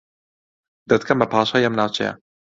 دەتکەم بە پاشای ئەم ناوچەیە